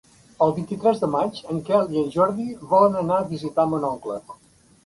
El vint-i-tres de maig en Quel i en Jordi volen anar a visitar mon oncle.